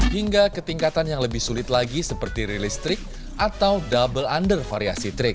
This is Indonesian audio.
hingga ketingkatan yang lebih sulit lagi seperti real listrik atau double under variasi trik